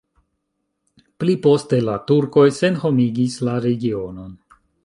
Pli poste la turkoj senhomigis la regionon.